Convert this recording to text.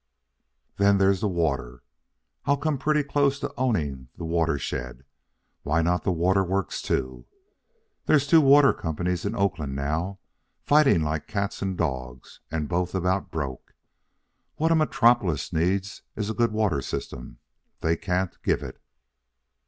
'" "Then there's the water. I'll come pretty close to owning the watershed. Why not the waterworks too? There's two water companies in Oakland now, fighting like cats and dogs and both about broke. What a metropolis needs is a good water system. They can't give it.